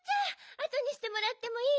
あとにしてもらってもいい？